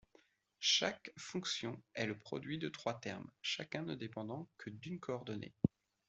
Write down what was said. Chaque fonction est le produit de trois termes, chacun ne dépendant que d'une coordonnée.